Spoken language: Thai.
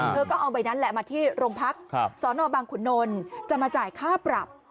เธอก็เอาใบนั้นแหละมาที่โรงพักสนบังขุนนลจะมาจ่ายค่าปรับ